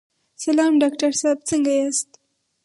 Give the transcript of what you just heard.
سلام ډاکټر صاحب، څنګه یاست؟